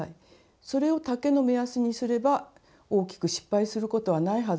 それを丈の目安にすれば大きく失敗することはないはずです。